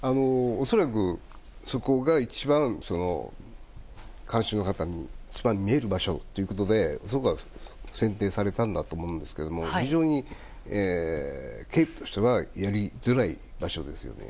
恐らく、そこが一番観衆に一番見える場所ということで設定されたんだと思いますが非常に警備としてはやりづらい場所ですね。